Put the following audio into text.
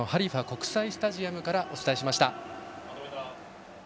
国際スタジアムからお伝えしました。